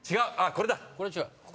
これだ。